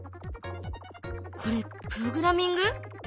これプログラミング？